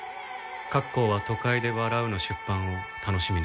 「『郭公は都会で笑う』の出版を楽しみにしています」と。